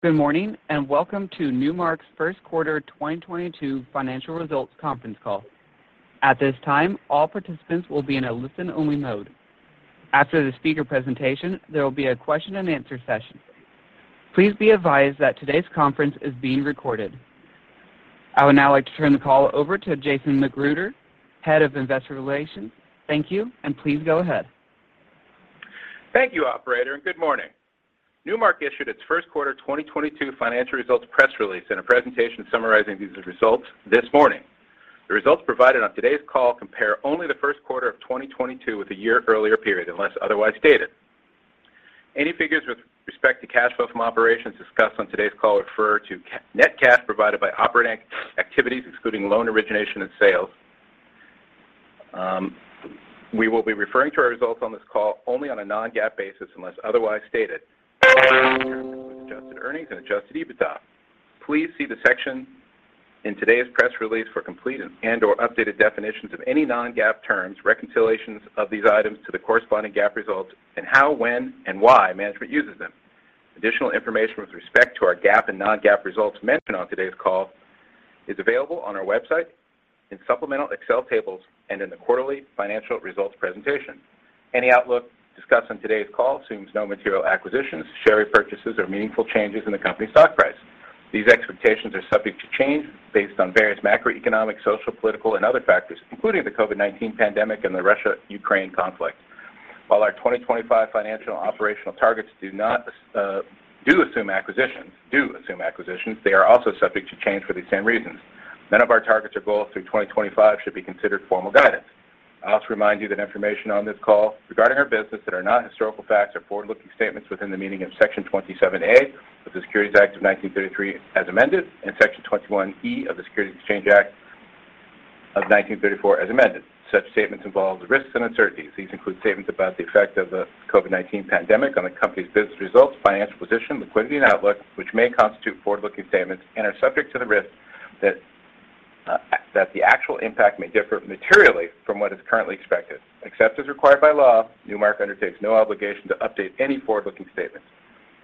Good morning, and welcome to Newmark's First Quarter 2022 Financial Results Conference Call. At this time, all participants will be in a listen-only mode. After the speaker presentation, there will be a question and answer session. Please be advised that today's conference is being recorded. I would now like to turn the call over to Jason McGruder, Head of Investor Relations. Thank you, and please go ahead. Thank you, operator, and good morning. Newmark issued its first quarter 2022 financial results press release and a presentation summarizing these results this morning. The results provided on today's call compare only the first quarter of 2022 with the year-earlier period, unless otherwise stated. Any figures with respect to cash flow from operations discussed on today's call refer to net cash provided by operating activities, excluding loan origination and sales. We will be referring to our results on this call only on a non-GAAP basis, unless otherwise stated. Adjusted earnings and adjusted EBITDA. Please see the section in today's press release for complete and/or updated definitions of any non-GAAP terms, reconciliations of these items to the corresponding GAAP results and how, when, and why management uses them. Additional information with respect to our GAAP and non-GAAP results mentioned on today's call is available on our website in supplemental Excel tables and in the quarterly financial results presentation. Any outlook discussed on today's call assumes no material acquisitions, share repurchases, or meaningful changes in the company's stock price. These expectations are subject to change based on various macroeconomic, social, political, and other factors, including the COVID-19 pandemic and the Russia-Ukraine conflict. While our 2025 financial operational targets do assume acquisitions, they are also subject to change for these same reasons. None of our targets or goals through 2025 should be considered formal guidance. I'll also remind you that information on this call regarding our business that are not historical facts are forward-looking statements within the meaning of Section 27A of the Securities Act of 1933 as amended and Section 21E of the Securities Exchange Act of 1934 as amended. Such statements involve risks and uncertainties. These include statements about the effect of the COVID-19 pandemic on the company's business results, financial position, liquidity, and outlook, which may constitute forward-looking statements and are subject to the risk that that the actual impact may differ materially from what is currently expected. Except as required by law, Newmark undertakes no obligation to update any forward-looking statements.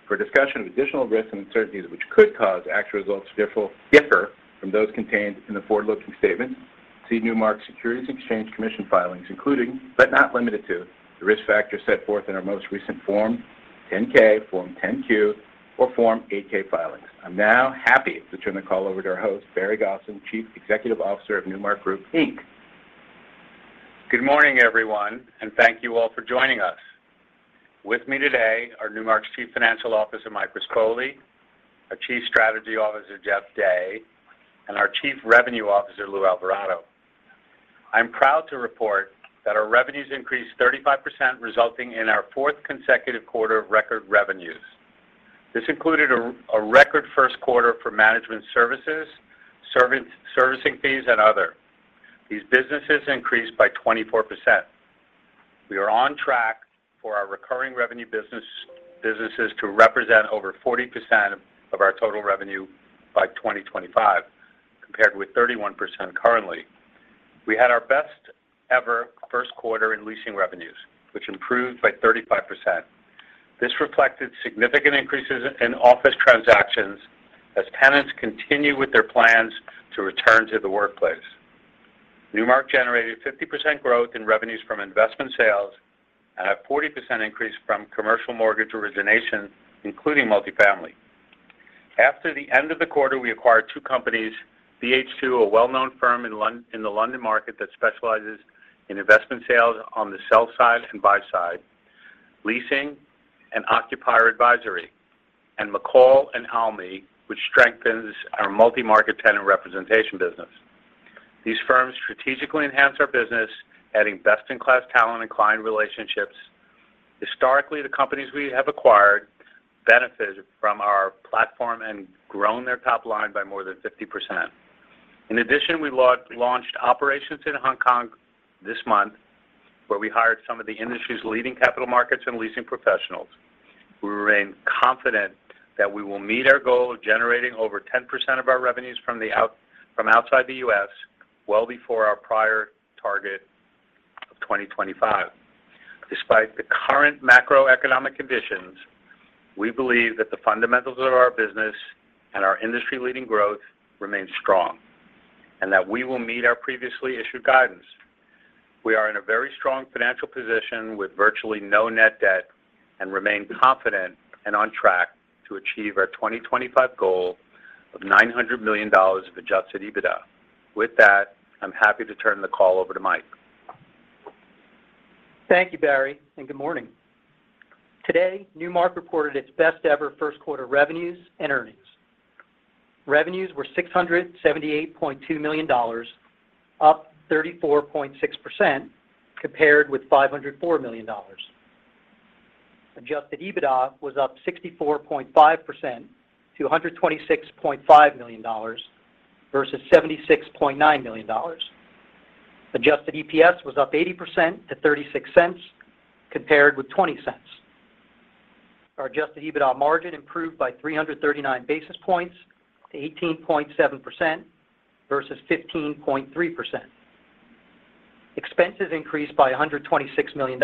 For a discussion of additional risks and uncertainties which could cause actual results to differ from those contained in the forward-looking statement, see Newmark's Securities and Exchange Commission filings, including, but not limited to, the risk factors set forth in our most recent Form 10-K, Form 10-Q, or Form 8-K filings. I'm now happy to turn the call over to our host, Barry Gosin, Chief Executive Officer of Newmark Group, Inc Good morning, everyone, and thank you all for joining us. With me today are Newmark's Chief Financial Officer, Mike Rispoli, our Chief Strategy Officer, Jeff Day, and our. I'm proud to report that our revenues increased 35%, resulting in our fourth consecutive quarter of record revenues. This included a record first quarter for management services, servicing fees, and other. These businesses increased by 24%. We are on track for our recurring revenue businesses to represent over 40% of our total revenue by 2025, compared with 31% currently. We had our best ever first quarter in leasing revenues, which improved by 35%. This reflected significant increases in office transactions as tenants continue with their plans to return to the workplace. Newmark generated 50% growth in revenues from investment sales and a 40% increase from commercial mortgage origination, including multifamily. After the end of the quarter, we acquired two companies, BH2, a well-known firm in the London market that specializes in investment sales on the sell side and buy side, leasing, and occupier advisory, and McCall & Almy, which strengthens our multi-market tenant representation business. These firms strategically enhance our business, adding best-in-class talent and client relationships. Historically, the companies we have acquired benefited from our platform and grown their top line by more than 50%. In addition, we launched operations in Hong Kong this month, where we hired some of the industry's leading capital markets and leasing professionals. We remain confident that we will meet our goal of generating over 10% of our revenues from outside the US well before our prior target of 2025. Despite the current macroeconomic conditions, we believe that the fundamentals of our business and our industry-leading growth remain strong and that we will meet our previously issued guidance. We are in a very strong financial position with virtually no net debt and remain confident and on track to achieve our 2025 goal of $900 million of Adjusted EBITDA. With that, I'm happy to turn the call over to Mike. Thank you, Barry, and good morning. Today, Newmark reported its best ever first quarter revenues and earnings. Revenues were $678.2 million, up 34.6% compared with $504 million. Adjusted EBITDA was up 64.5% to $126.5 million versus $76.9 million. Adjusted EPS was up 80% to $0.36 compared with $0.20. Our adjusted EBITDA margin improved by 339 basis points to 18.7% versus 15.3%. Expenses increased by $126 million,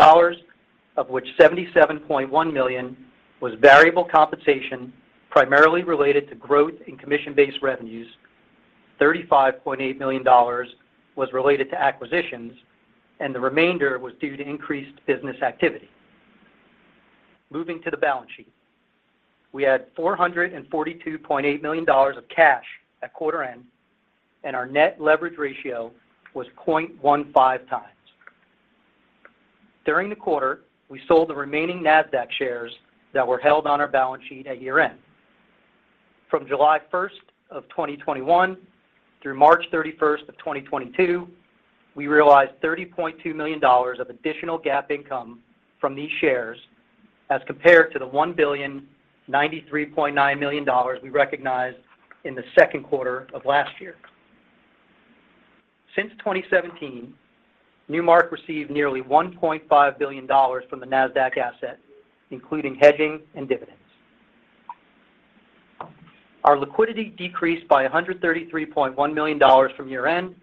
of which $77.1 million was variable compensation primarily related to growth in commission-based revenues. $35.8 million was related to acquisitions, and the remainder was due to increased business activity. Moving to the balance sheet. We had $442.8 million of cash at quarter end, and our net leverage ratio was 0.15x. During the quarter, we sold the remaining Nasdaq shares that were held on our balance sheet at year-end. From July 1, 2021 through March 31, 2022, we realized $30.2 million of additional GAAP income from these shares as compared to the $1,093.9 million we recognized in the second quarter of last year. Since 2017, Newmark received nearly $1.5 billion from the Nasdaq asset, including hedging and dividends. Our liquidity decreased by $133.1 million from year-end,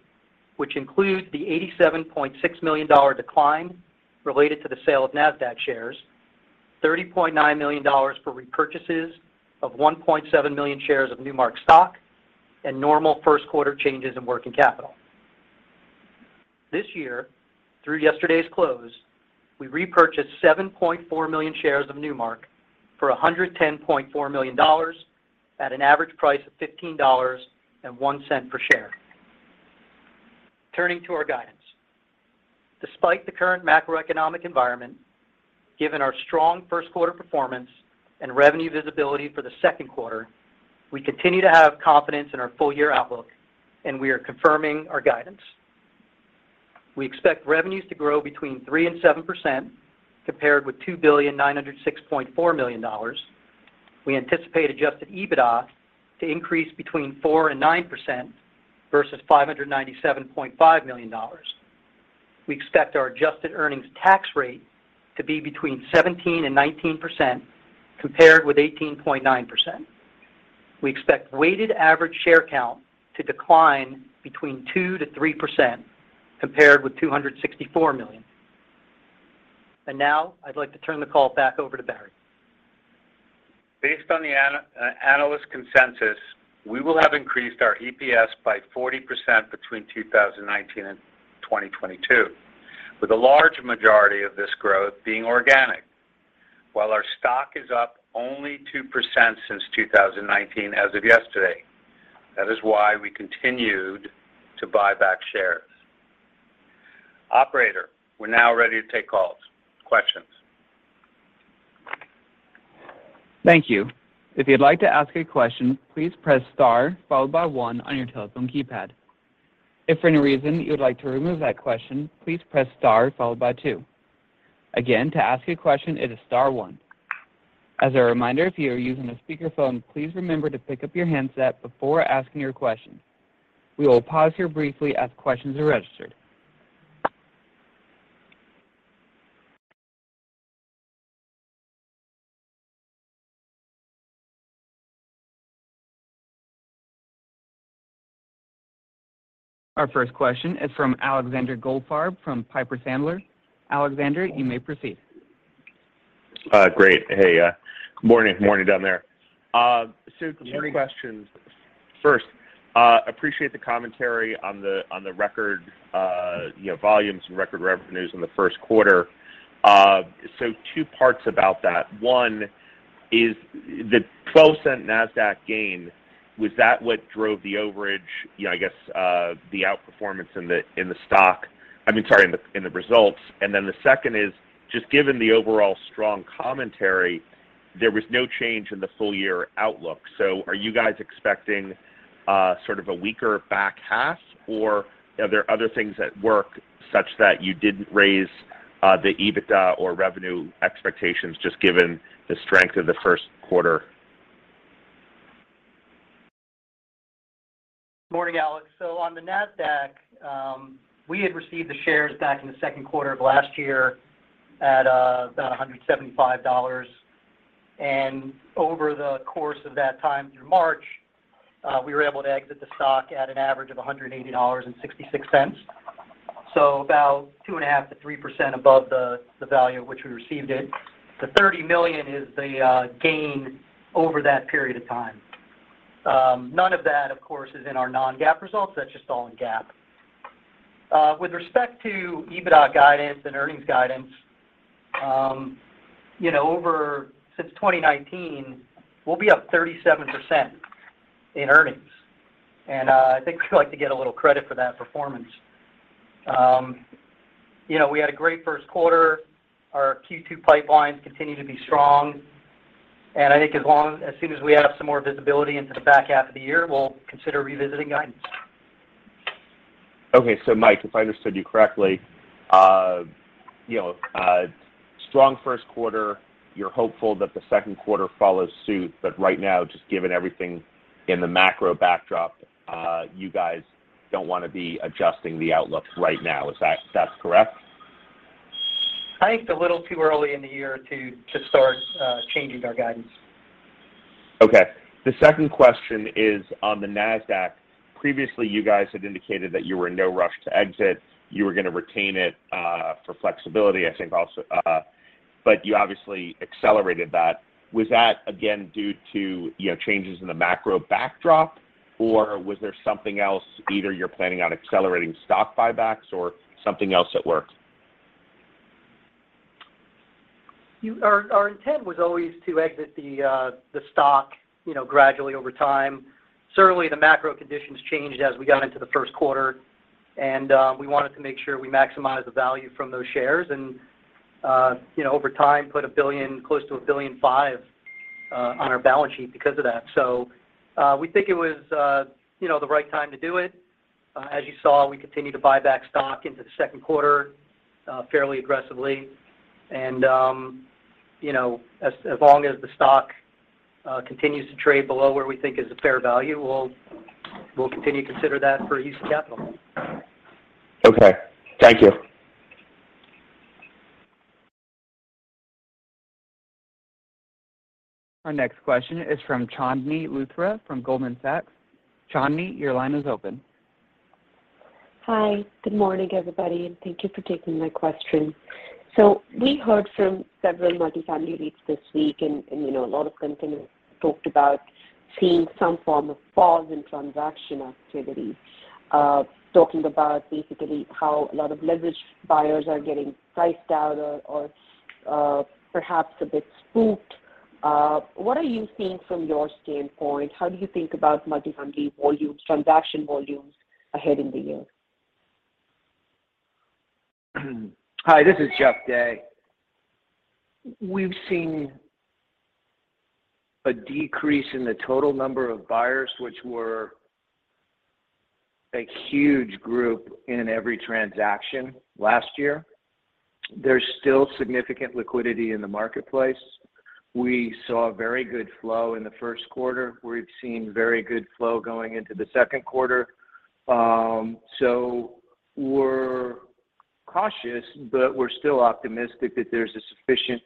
which includes the $87.6 million decline related to the sale of Nasdaq shares, $30.9 million for repurchases of 1.7 million shares of Newmark stock, and normal first quarter changes in working capital. This year, through yesterday's close, we repurchased 7.4 million shares of Newmark for $110.4 million at an average price of $15.01 per share. Turning to our guidance. Despite the current macroeconomic environment, given our strong first quarter performance and revenue visibility for the second quarter, we continue to have confidence in our full year outlook, and we are confirming our guidance. We expect revenues to grow between 3% and 7% compared with $2,906.4 million. We anticipate Adjusted EBITDA to increase between 4%-9% versus $597.5 million. We expect our adjusted effective tax rate to be between 17%-19% compared with 18.9%. We expect weighted average share count to decline between 2%-3% compared with 264 million. Now I'd like to turn the call back over to Barry. Based on the analyst consensus, we will have increased our EPS by 40% between 2019 and 2022, with a large majority of this growth being organic. While our stock is up only 2% since 2019 as of yesterday, that is why we continued to buy back shares. Operator, we're now ready to take calls. Questions. Thank you. If you'd like to ask a question, please press Star followed by one on your telephone keypad. If for any reason you would like to remove that question, please press Star followed by two. Again, to ask a question, it is Star one. As a reminder, if you are using a speakerphone, please remember to pick up your handset before asking your question. We will pause here briefly as questions are registered. Our first question is from Alexander Goldfarb from Piper Sandler. Alexander, you may proceed. Great. Hey, good morning. Morning down there. Two questions. First, appreciate the commentary on the record volumes and record revenues in the first quarter. Two parts about that. One, is the $0.12 Nasdaq gain what drove the overage, you know, I guess, the outperformance in the results. The second is, just given the overall strong commentary, there was no change in the full-year outlook. Are you guys expecting sort of a weaker back half, or are there other things at work such that you didn't raise the EBITDA or revenue expectations just given the strength of the first quarter? Morning, Alex. On the Nasdaq, we had received the shares back in the second quarter of last year at about $175. Over the course of that time through March, we were able to exit the stock at an average of $180.66. About 2.5%-3% above the value at which we received it. The $30 million is the gain over that period of time. None of that, of course, is in our non-GAAP results. That's just all in GAAP. With respect to EBITDA guidance and earnings guidance, you know, since 2019, we'll be up 37% in earnings. I think we like to get a little credit for that performance. You know, we had a great first quarter. Our Q2 pipelines continue to be strong. I think as long as soon as we have some more visibility into the back half of the year, we'll consider revisiting guidance. Okay. Mike, if I understood you correctly, you know, strong first quarter, you're hopeful that the second quarter follows suit, but right now, just given everything in the macro backdrop, you guys don't wanna be adjusting the outlook right now. That's correct? I think it's a little too early in the year to start changing our guidance. Okay. The second question is on the Nasdaq. Previously, you guys had indicated that you were in no rush to exit. You were gonna retain it for flexibility, I think also. You obviously accelerated that. Was that again due to, you know, changes in the macro backdrop, or was there something else, either you're planning on accelerating stock buybacks or something else at work? Our intent was always to exit the stock, you know, gradually over time. Certainly, the macro conditions changed as we got into the first quarter, and we wanted to make sure we maximize the value from those shares and, you know, over time, put $1 billion, close to $1.5 billion, on our balance sheet because of that. We think it was, you know, the right time to do it. As you saw, we continued to buy back stock into the second quarter, fairly aggressively. You know, as long as the stock continues to trade below where we think is a fair value, we'll continue to consider that for use of capital. Okay. Thank you. Our next question is from Chandni Luthra from Goldman Sachs. Chandni, your line is open. Hi. Good morning, everybody, and thank you for taking my questions. We heard from several multifamily leads this week and, you know, a lot of companies talked about seeing some form of pause in transaction activity, talking about basically how a lot of leverage buyers are getting priced out or, perhaps a bit spooked. What are you seeing from your standpoint? How do you think about multifamily volumes, transaction volumes ahead in the year? Hi, this is Jeff Day. We've seen a decrease in the total number of buyers, which were a huge group in every transaction last year. There's still significant liquidity in the marketplace. We saw very good flow in the first quarter. We've seen very good flow going into the second quarter. We're cautious, but we're still optimistic that there's a sufficient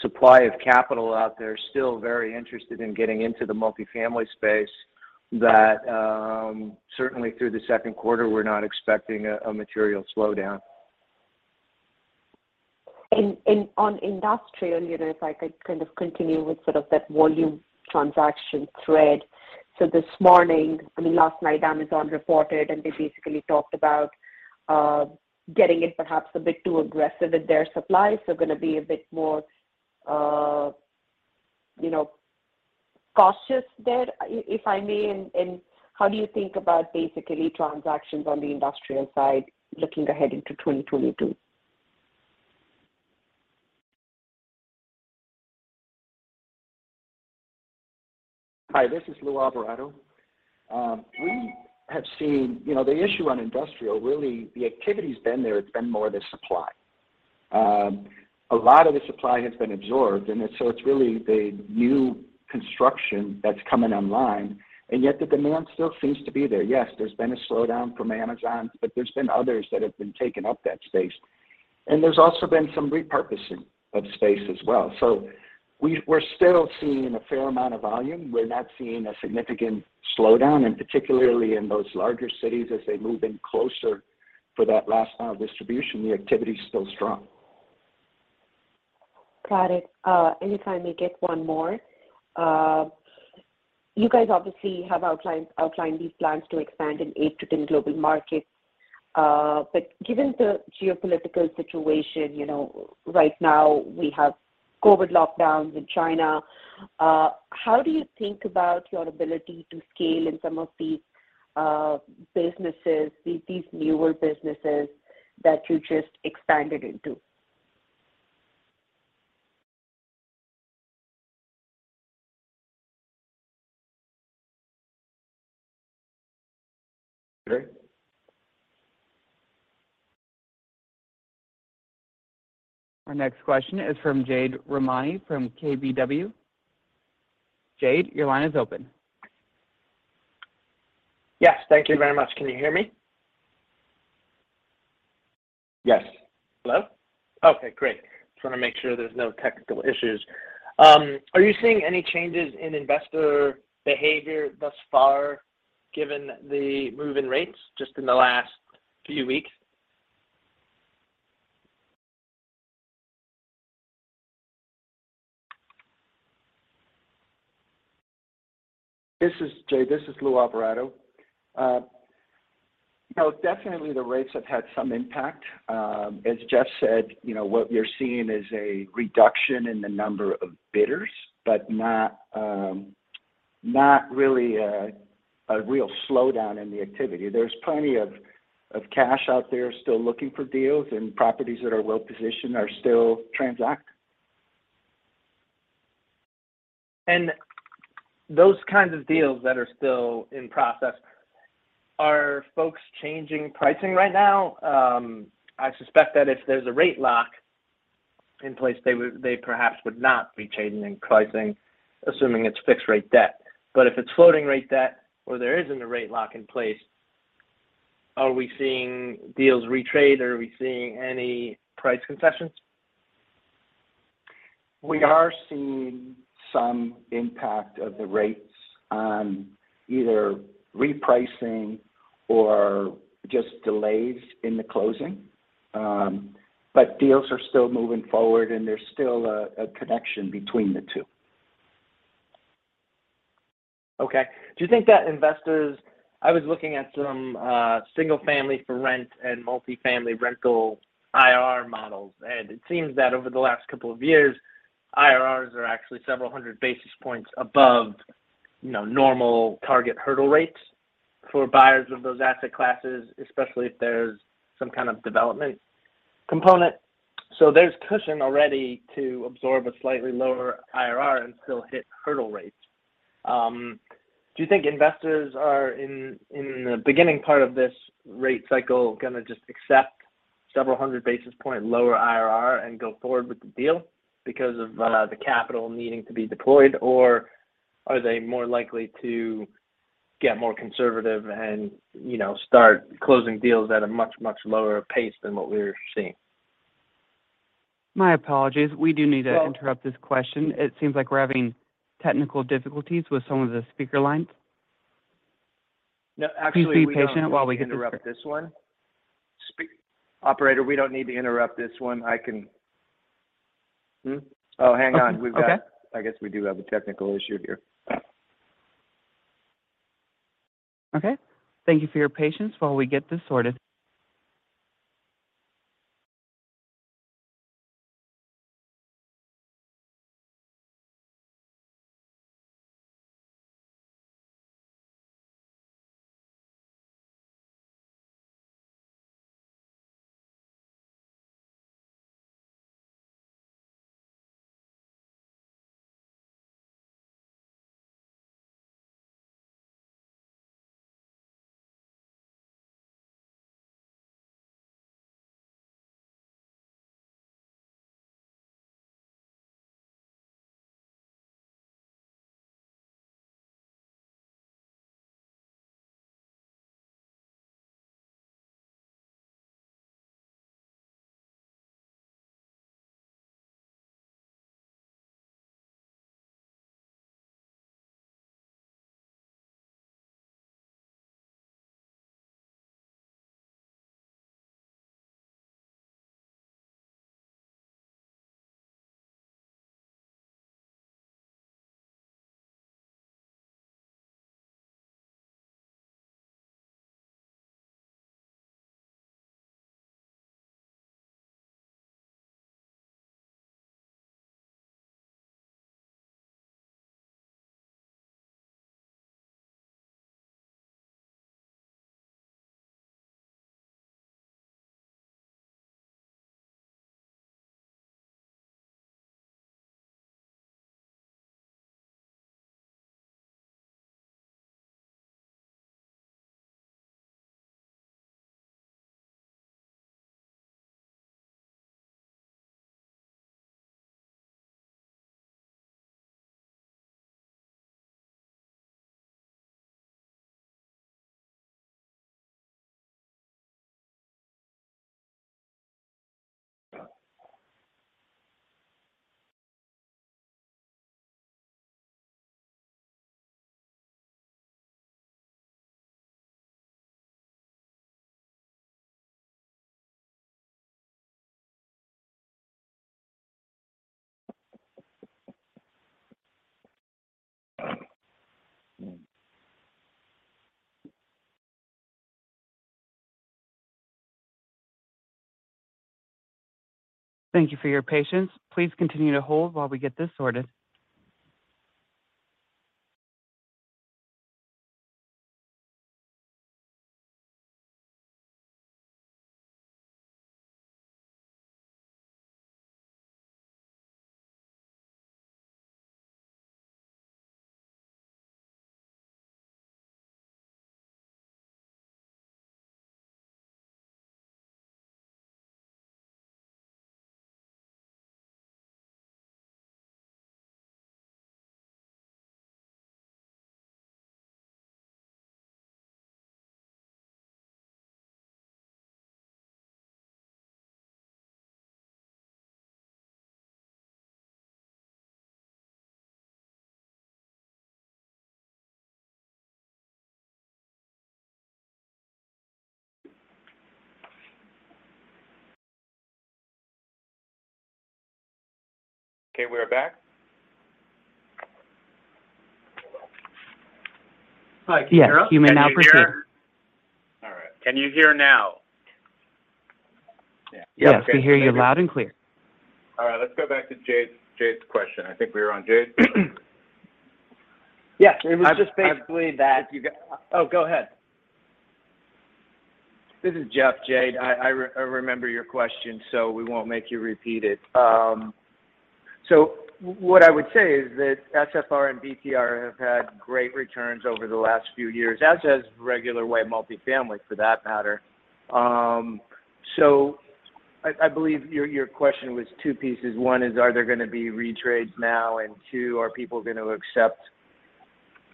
supply of capital out there, still very interested in getting into the multifamily space that certainly through the second quarter, we're not expecting a material slowdown. On industrial, you know, if I could kind of continue with sort of that volume transaction thread. This morning, I mean, last night, Amazon reported, and they basically talked about getting in perhaps a bit too aggressive in their supply, so gonna be a bit more, you know, cautious there. If I may, how do you think about basically transactions on the industrial side looking ahead into 2022? Hi, this is Lou Alvarado. We have seen. You know, the issue on industrial, really the activity's been there. It's been more the supply. A lot of the supply has been absorbed, so it's really the new construction that's coming online, and yet the demand still seems to be there. Yes, there's been a slowdown from Amazon, but there's been others that have been taking up that space. There's also been some repurposing of space as well. We're still seeing a fair amount of volume. We're not seeing a significant slowdown, and particularly in those larger cities as they move in closer for that last mile distribution, the activity is still strong. Got it. If I may get one more. You guys obviously have outlined these plans to expand in 8-10 global markets. Given the geopolitical situation, you know, right now we have COVID lockdowns in China. How do you think about your ability to scale in some of these businesses, these newer businesses that you just expanded into? Great. Our next question is from Jade Rahmani from KBW. Jade, your line is open. Yes. Thank you very much. Can you hear me? Yes. Hello? Okay, great. Just wanna make sure there's no technical issues. Are you seeing any changes in investor behavior thus far given the move in rates just in the last few weeks? This is Jade. This is Lou Alvarado. No, definitely the rates have had some impact. As Jeff said, you know, what we're seeing is a reduction in the number of bidders, but not really a real slowdown in the activity. There's plenty of cash out there still looking for deals, and properties that are well positioned are still transacting. Those kinds of deals that are still in process, are folks changing pricing right now? I suspect that if there's a rate lock in place, they perhaps would not be changing pricing, assuming it's fixed rate debt. But if it's floating rate debt or there isn't a rate lock in place. Are we seeing deals retrade? Are we seeing any price concessions? We are seeing some impact of the rates on either repricing or just delays in the closing. Deals are still moving forward, and there's still a connection between the two. Okay. Do you think that investors, I was looking at some single-family for rent and multifamily rental IRR models, and it seems that over the last couple of years, IRRs are actually several hundred basis points above, you know, normal target hurdle rates for buyers of those asset classes, especially if there's some kind of development component. So there's cushion already to absorb a slightly lower IRR and still hit hurdle rates. Do you think investors are in the beginning part of this rate cycle gonna just accept several hundred basis point lower IRR and go forward with the deal because of the capital needing to be deployed? Or are they more likely to get more conservative and, you know, start closing deals at a much, much lower pace than what we're seeing? My apologies. We do need to interrupt this question. It seems like we're having technical difficulties with some of the speaker lines. No, actually, we don't. Please be patient while we get this. Operator, we don't need to interrupt this one. I can. Oh, hang on. We've got. Okay. I guess we do have a technical issue here. Okay. Thank you for your patience while we get this sorted. Thank you for your patience. Please continue to hold while we get this sorted. Okay, we're back. Hi, can you hear us? Yes, you may now proceed. Can you hear? All right. Can you hear now? Yeah. Yes. We hear you loud and clear. All right, let's go back to Jade's question. I think we were on Jade. Yes. It was just basically that. Oh, go ahead. This is Jeff, Jade. I remember your question, so we won't make you repeat it. What I would say is that SFR and BTR have had great returns over the last few years, as has regular way multifamily for that matter. I believe your question was two pieces. One is, are there gonna be retrades now? Two, are people gonna accept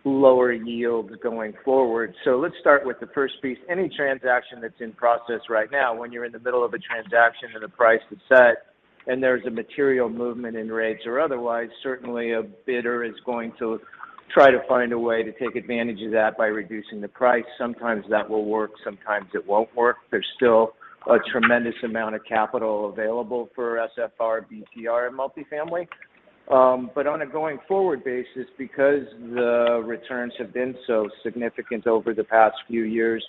lower yields going forward? Let's start with the first piece. Any transaction that's in process right now, when you're in the middle of a transaction and the price is set, and there's a material movement in rates or otherwise, certainly a bidder is going to try to find a way to take advantage of that by reducing the price. Sometimes that will work, sometimes it won't work. There's still a tremendous amount of capital available for SFR, BTR, and multifamily. On a going forward basis, because the returns have been so significant over the past few years,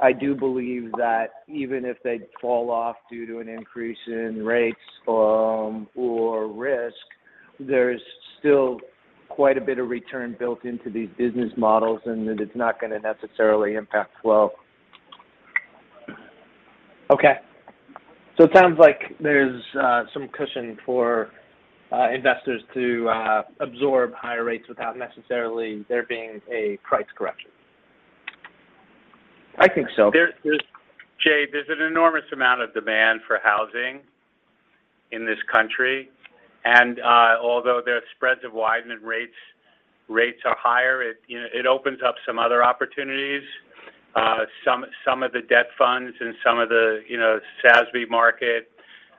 I do believe that even if they fall off due to an increase in rates, or risk, there's still quite a bit of return built into these business models, and that it's not gonna necessarily impact flow. It sounds like there's some cushion for investors to absorb higher rates without necessarily there being a price correction. I think so. Jade, there's an enormous amount of demand for housing in this country, and although the spreads have widened, rates are higher, you know, it opens up some other opportunities. Some of the debt funds and some of the, you know, SASB market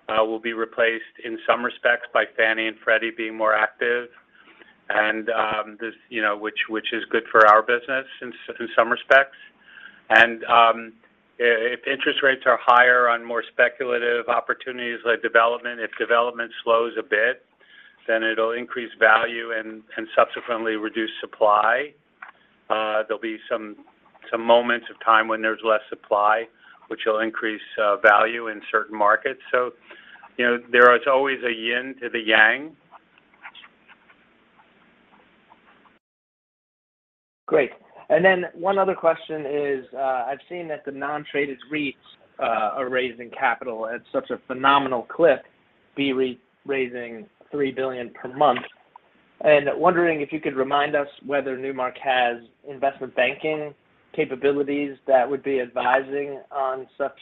will be replaced in some respects by Fannie Mae and Freddie Mac being more active. This, you know, which is good for our business in some respects. If interest rates are higher on more speculative opportunities like development, if development slows a bit, then it'll increase value and subsequently reduce supply. There'll be some moments of time when there's less supply, which will increase value in certain markets. You know, there is always a yin to the yang. Great. One other question is, I've seen that the non-traded REITs are raising capital at such a phenomenal clip, BREIT raising $3 billion per month. Wondering if you could remind us whether Newmark has investment banking capabilities that would be advising on such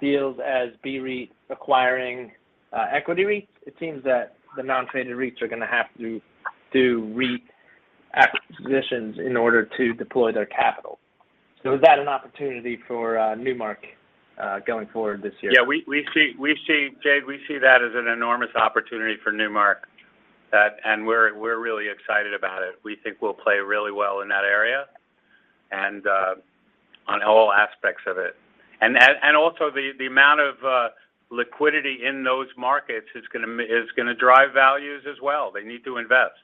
deals as BREIT acquiring equity REITs? It seems that the non-traded REITs are gonna have to do REIT acquisitions in order to deploy their capital. Is that an opportunity for Newmark going forward this year? Yeah. We see, Jade, that as an enormous opportunity for Newmark. We're really excited about it. We think we'll play really well in that area, and on all aspects of it. Also the amount of liquidity in those markets is gonna drive values as well. They need to invest.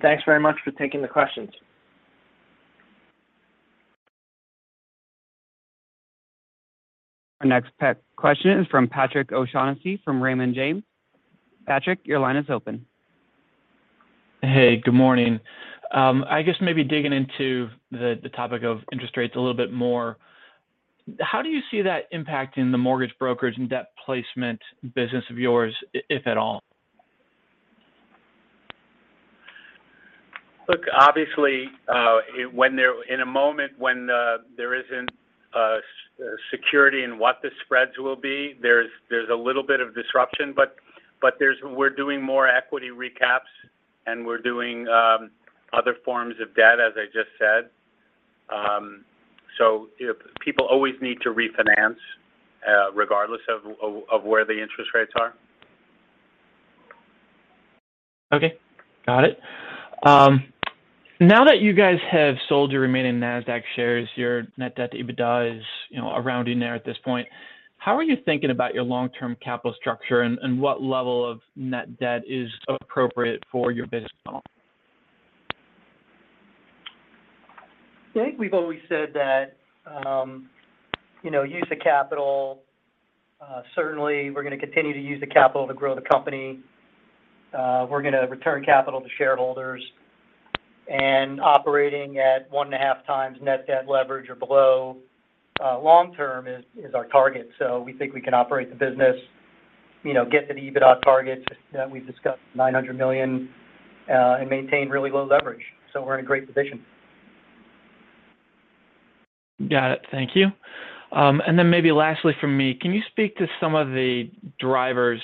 Thanks very much for taking the questions. Our next question is from Patrick O'Shaughnessy from Raymond James. Patrick, your line is open. Hey, good morning. I guess maybe digging into the topic of interest rates a little bit more, how do you see that impacting the mortgage brokerage and debt placement business of yours, if at all? Look, obviously, in a moment when there isn't security in what the spreads will be, there's a little bit of disruption, but we're doing more equity recaps and we're doing other forms of debt, as I just said. You know, people always need to refinance, regardless of where the interest rates are. Okay. Got it. Now that you guys have sold your remaining Nasdaq shares, your net debt to EBITDA is, you know, around in there at this point. How are you thinking about your long-term capital structure and what level of net debt is appropriate for your business model? I think we've always said that, you know, use of capital, certainly we're gonna continue to use the capital to grow the company. We're gonna return capital to shareholders. Operating at 1.5x net debt leverage or below, long term is our target. We think we can operate the business, you know, get to the EBITDA targets that we've discussed, $900 million, and maintain really low leverage. We're in a great position. Got it. Thank you. Maybe lastly from me, can you speak to some of the drivers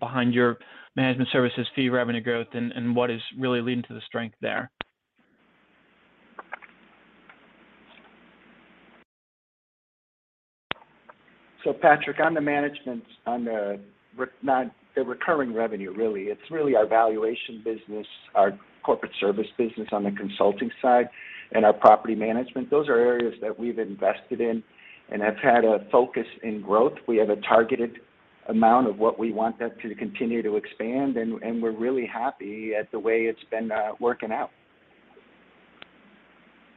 behind your management services fee revenue growth and what is really leading to the strength there? Patrick, on the management, on the recurring revenue really, it's really our valuation business, our corporate service business on the consulting side and our property management. Those are areas that we've invested in and have had a focus in growth. We have a targeted amount of what we want that to continue to expand, and we're really happy at the way it's been working out.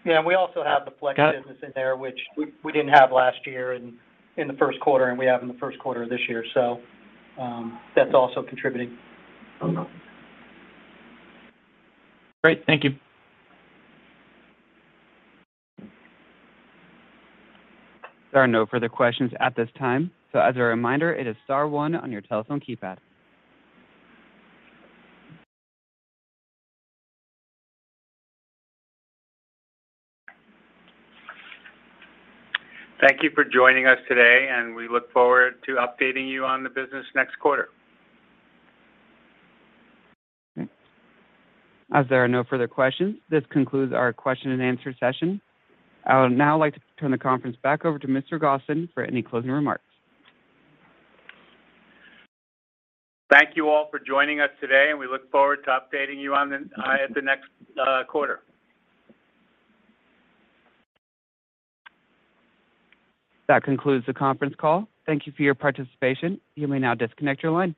Yeah. We also have the Flex business. Got it. in there, which we didn't have last year in the first quarter, and we have in the first quarter of this year. That's also contributing. Great. Thank you. There are no further questions at this time. As a reminder, it is star one on your telephone keypad. Thank you for joining us today, and we look forward to updating you on the business next quarter. As there are no further questions, this concludes our question and answer session. I would now like to turn the conference back over to Mr. Gosin for any closing remarks. Thank you all for joining us today, and we look forward to updating you on the at the next quarter. That concludes the conference call. Thank you for your participation. You may now disconnect your line.